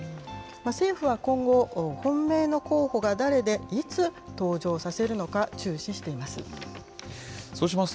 政府は今後、本命の候補が誰でいつ登場させるのか、注視しています。